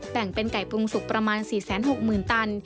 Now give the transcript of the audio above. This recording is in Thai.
แบ่งเป็นไก่ปรุงสุกประมาณ๔๖๐๐๐ตัน